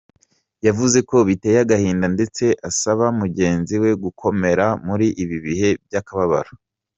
Yavuze ko biteye agahinda ndetse asaba mugenzi we gukomera muri ibi bihe by’akababaro.